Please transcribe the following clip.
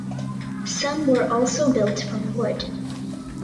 Some were also built from wood.